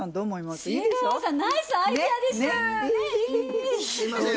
すいません。